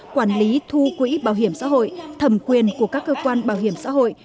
quản lý thu quỹ bảo hiểm xã hội thẩm quyền của các cơ quan bảo hiểm xã hội